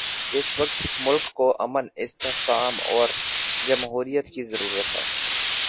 اس وقت ملک کو امن، استحکام اور جمہوریت کی ضرورت ہے۔